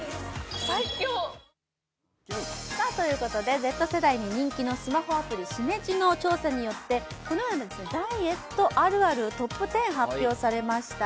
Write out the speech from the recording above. Ｚ世代に人気のスマホアプリ・Ｓｉｍｅｊｉの調査によってこのようなダイエットあるあるトップ１０が発表されました。